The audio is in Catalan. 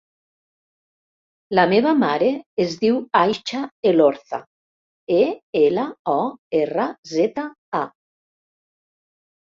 La meva mare es diu Aicha Elorza: e, ela, o, erra, zeta, a.